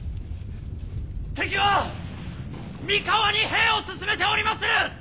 敵は三河に兵を進めておりまする！